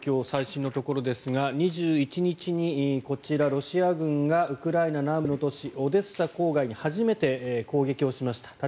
最新のところですが２１日にこちら、ロシア軍がウクライナ南部の都市オデッサ郊外に初めて攻撃をしました。